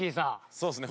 そうですね。